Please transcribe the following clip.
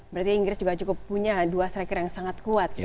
berarti inggris juga cukup punya dua striker yang sangat kuat